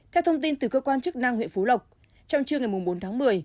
theo thông tin từ cơ quan chức năng huyện phú lộc trong trưa ngày bốn tháng một mươi